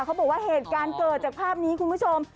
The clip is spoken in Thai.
เขาบอกว่าเหตุการณ์เกิดจากภาพนี้คุณผู้ชม